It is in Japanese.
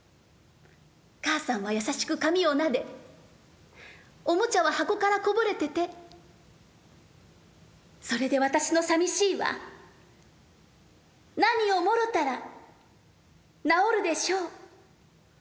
母さんはやさしく髪を撫で、玩具は箱からこぼれてて、それで私のさみしいは、何を貰うたらなおるでしょう」。